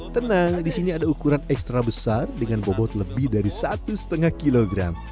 tenang di sini ada ukuran ekstra besar dengan bobot lebih dari satu lima kg